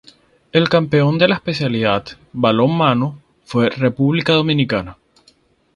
El campeón de la especialidad Balonmano fue República Dominicana.